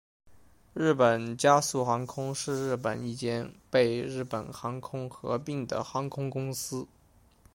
日本佳速航空是日本一间被日本航空合并的航空公司。